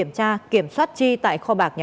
ở nhà ở phòng trọ thôi anh